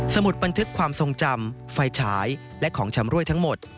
มุดบันทึกความทรงจำไฟฉายและของชำรวยทั้งหมด